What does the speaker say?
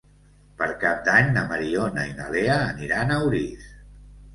Per Cap d'Any na Mariona i na Lea aniran a Orís.